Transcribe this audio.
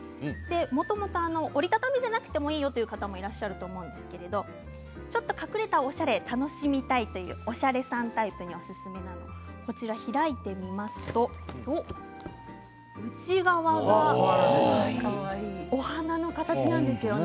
もともと折り畳みじゃなくてもいいよという方いらっしゃるかもしれませんが、隠れたおしゃれを楽しみたいとおっしゃるおしゃれさんタイプにおすすめなのが開いてみると内側がお花の形なんですよね。